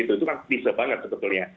itu kan bisa banget sebetulnya